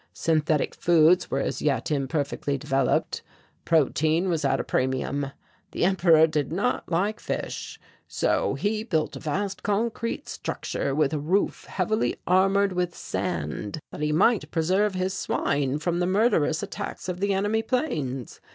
Synthetic foods were as yet imperfectly developed. Protein was at a premium; the emperor did not like fish, so he built a vast concrete structure with a roof heavily armoured with sand that he might preserve his swine from the murderous attacks of the enemy planes.